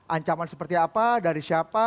ancaman seperti apa dari siapa